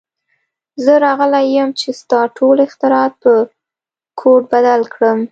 زه راغلی یم چې ستا ټول اختراعات په کوډ بدل کړم